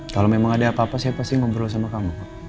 kalau memang ada apa apa saya pasti ngobrol sama kamu